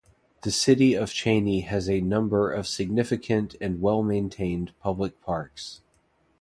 The City of Cheney has a number of significant and well-maintained public parks.